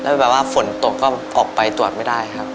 แล้วแบบว่าฝนตกก็ออกไปตรวจไม่ได้ครับ